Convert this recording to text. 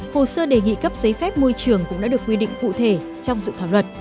hồ sơ đề nghị cấp giấy phép môi trường cũng đã được quy định cụ thể trong dự thảo luật